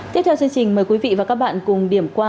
tiếp theo chương trình mời quý vị và các bạn cùng điểm qua